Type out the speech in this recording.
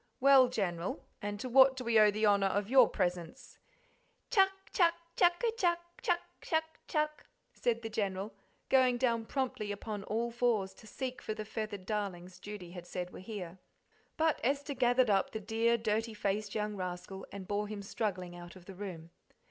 "Well, General, and to what do we owe the honour of your presence?" "Chuck chuck, chuck a chuck, chuck, chuck, chuck," said the General, going down promptly upon all fours to seek for the feathered darlings Judy had said were here. But Esther gathered up the dear, dirty faced young rascal and bore him struggling out of the room.